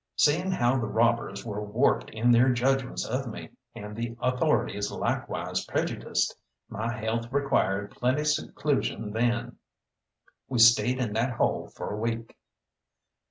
Seeing how the robbers were warped in their judgments of me, and the authorities likewise prejudiced, my health required plenty seclusion then. We stayed in that hole for a week.